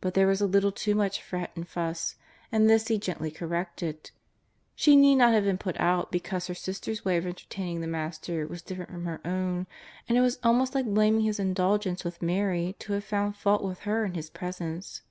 But there was a little too much fret and fuss, and this He gently cor rected. She need not have been put out because her sister's way of entertaining the Master was different from her owHj and it was almost like blaming His in dulgence with Mary to have found fault with her in His Presence.